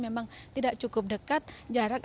memang tidak cukup dekat jarak